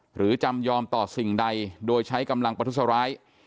จำยอมต่อสิ่งใดโดยใช้กำลังประทุษร้าย